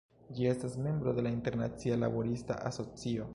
Ĝi estas membro de la Internacia Laborista Asocio.